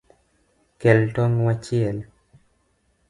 Kel tong’ wachiel